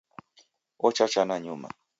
Ochacha nanyuma